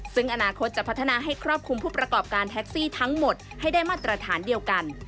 ซึ่งอนาคตจะพัฒนาให้ครอบคลุมผู้ประกอบการแท็กซี่ทั้งหมดให้ได้มาตรฐานเดียวกัน